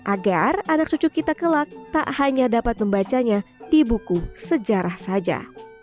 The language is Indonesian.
agar anak cucu kita kelak tak hanya dapat membacanya di buku sejarah saja